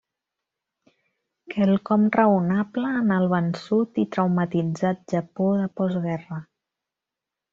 Quelcom raonable en el vençut i traumatitzat Japó de postguerra.